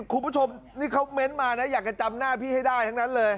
คุณผู้ชมนี่เขาเม้นต์มานะอยากจะจำหน้าพี่ให้ได้ทั้งนั้นเลย